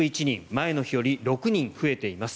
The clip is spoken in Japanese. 前の日より６人増えています。